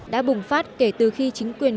đã bùng phát kể từ khi chính quyền